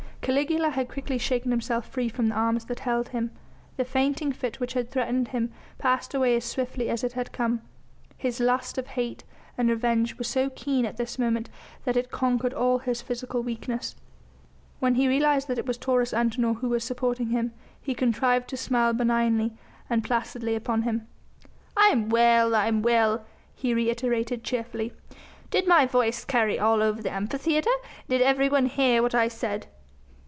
Caligula had quickly shaken himself free from the arms that held him. The fainting fit which had threatened him passed away as swiftly as it had come. His lust of hate and revenge was so keen at this moment that it conquered all his physical weakness. When he realised that it was Taurus Antinor who was supporting him, he contrived to smile benignly and placidly upon him. "I am well! I am well!" he reiterated cheerfully. "Did my voice carry all over the Amphitheatre? Did everyone hear what I said?"